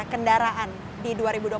kendaraan di dua ribu dua puluh empat